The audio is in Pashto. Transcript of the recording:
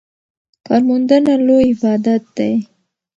کارموندنه لوی عبادت دی.